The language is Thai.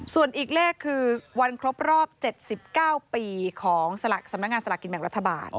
ส่วนอีกเลขคือวันครบรอบ๗๙ปีของสำนักงานสลากกินแบ่งรัฐบาล